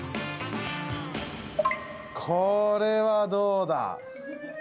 これはどうだ？